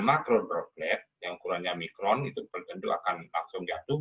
makro droplet yang ukurannya mikron itu akan langsung jatuh